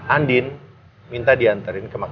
andin minta dianterin ke rumahnya